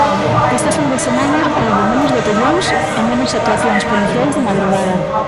Esta fin de semana houbo menos botellóns e menos actuacións policiais de madrugada.